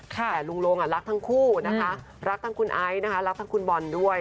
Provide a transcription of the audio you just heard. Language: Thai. แต่ลุงลงรักทั้งคู่นะคะรักทั้งคุณไอซ์นะคะรักทั้งคุณบอลด้วย